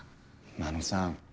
真野さん。